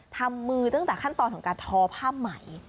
ทำมือตั้งแต่ขั้นตอนของการทอผ้าไหม